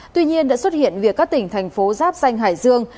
tuy nhiên đã xuất hiện việc các tỉnh thành phố giáp danh hải dương